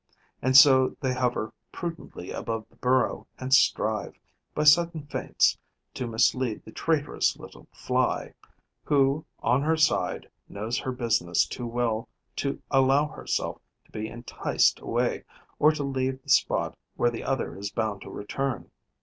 And so they hover prudently above the burrow and strive, by sudden feints, to mislead the traitorous little Fly, who, on her side, knows her business too well to allow herself to be enticed away or to leave the spot where the other is bound to return.